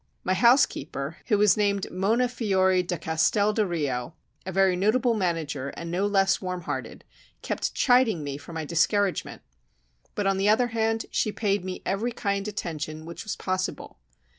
My housekeeper, who was named Mona Fiore da Castel del Rio, a very notable manager and no less warm hearted, kept chiding me for my discouragement; but on the other hand, she paid me every kind attention which was possible.